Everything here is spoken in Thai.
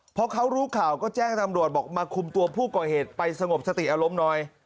พอเขารู้ข่าวก็แจ้งตำรวจบอกมาคุมตัวผู้ก่อเหตุไปสงบสติอารมณ์หน่อย